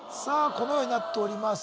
このようになっております